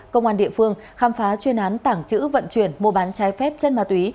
công an địa phương khám phá chuyên án tảng chữ vận chuyển mua bán trái phép chân ma túy